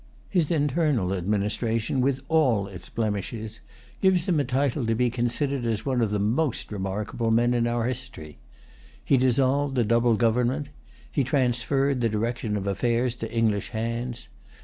His internal administration, with all its blemishes, gives him a title to be considered as one of the most remarkable men in our history. He dissolved the double government. He transferred the direction of affairs to English hands.